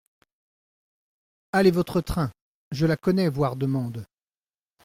Allez votre train ! je la connais voire demande…